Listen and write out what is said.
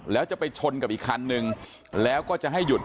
แล้วจะไปชนกับอีกคันนึงแล้วก็จะให้หยุด